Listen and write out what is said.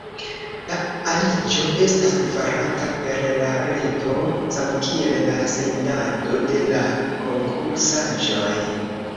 La aliĝo estas farata per la reto, samkiel la sendado de la konkursaĵoj.